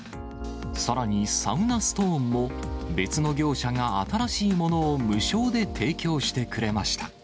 さらにサウナストーンも、別の業者が新しいものを無償で提供してくれました。